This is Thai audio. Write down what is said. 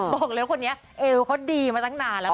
บอกเลยว่าคนนี้เอวเขาดีมาตั้งนานแล้ว